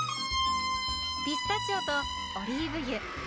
ピスタチオとオリーブ油。